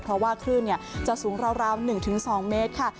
เพราะว่าคลื่นจะสูงราว๑๒เมตรค่ะ